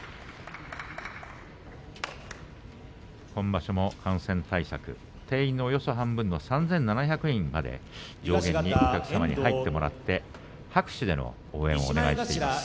今場所も感染対策定員のおよそ半分３７００人までそれを上限にお客様に入ってもらって拍手での応援をお願いしてもらっています。